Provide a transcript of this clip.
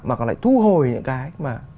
mà còn lại thu hồi những cái